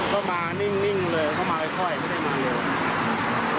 ก็มานิ่งเลยก็มาค่อยไม่ได้มาเร็ว